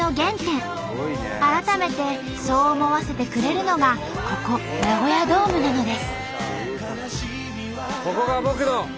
改めてそう思わせてくれるのがここナゴヤドームなのです。